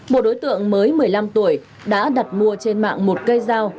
một đối tượng mới một mươi năm tuổi đã đặt mua trên mạng một cây dao